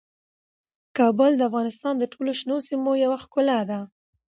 کابل د افغانستان د ټولو شنو سیمو یوه ښکلا ده.